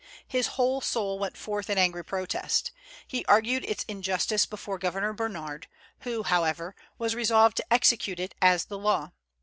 His whole soul went forth in angry protest. He argued its injustice before Governor Bernard, who, however, was resolved to execute it as the law.